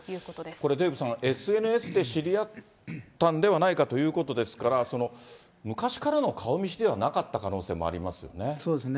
これ、デーブさん、ＳＮＳで知り合ったんではないかということですから、昔からの顔見知りではなかった可能性ありますよね。